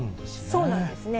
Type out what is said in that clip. そうなんですね。